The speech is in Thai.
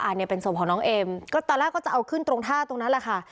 อันนี้เป็นศพของน้องเอ็มก็ตอนแรกก็จะเอาขึ้นตรงท่าตรงนั้นแหละค่ะ